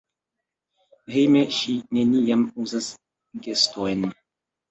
Hejme ŝi neniam uzas gestojn.